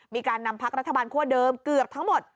มีการนำพักรัฐบาลคั่วเดิมเกือบทั้งหมด